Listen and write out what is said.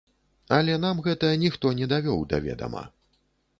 Але нам гэта ніхто не давёў да ведама.